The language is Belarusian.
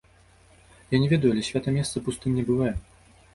Я не ведаю, але свята месца пустым не бывае.